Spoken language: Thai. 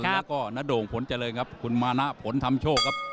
แล้วก็นโด่งผลเจริญครับคุณมานะผลทำโชคครับ